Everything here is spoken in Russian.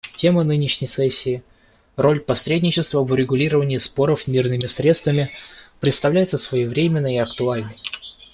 Тема нынешней сессии — «Роль посредничества в урегулировании споров мирными средствами» — представляется своевременной и актуальной.